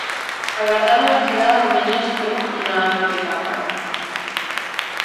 Agardaron a chegada do ministro na antecámara.